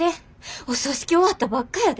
お葬式終わったばっかやで。